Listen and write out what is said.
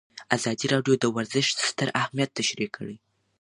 ازادي راډیو د ورزش ستر اهميت تشریح کړی.